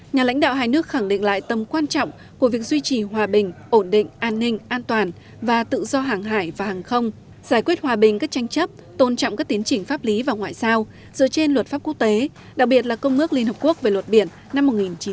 nhà lãnh đạo hai nước khẳng định lại tâm quan trọng của việc duy trì hòa bình ổn định an ninh an toàn và tự do hàng hải và hàng không giải quyết hòa bình các tranh chấp tôn trọng các tiến chỉnh pháp lý và ngoại giao dựa trên luật pháp quốc tế đặc biệt là công ước liên hợp quốc về luật biển năm một nghìn chín trăm tám mươi hai